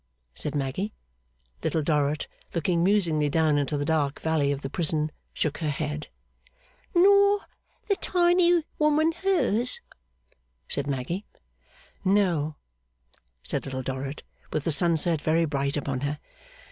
said Maggy. Little Dorrit, looking musingly down into the dark valley of the prison, shook her head. 'Nor the tiny woman hers?' said Maggy. 'No,' said Little Dorrit, with the sunset very bright upon her.